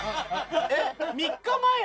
えっ３日前やろ？